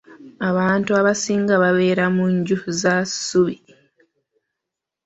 Abantu abasinga babeera mu nju za ssubi.